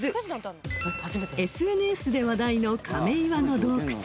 ［ＳＮＳで話題の亀岩の洞窟］